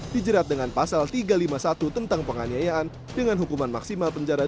dijerat dengan pasal tiga ratus lima puluh satu tentang penganiayaan dengan hukuman maksimal penjara